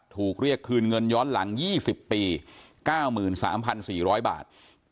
ถูกเรียกคืนเงินย้อนหลัง๒๐ปี๙๓๔๐๐บาท